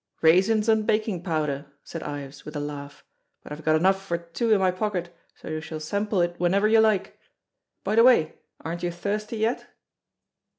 "Raisins and baking powder," said Ives, with a laugh; "but I've got enough for two in my pocket, so you shall sample it whenever you like. By the way, aren't you thirsty yet?"